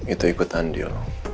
itu ikut andil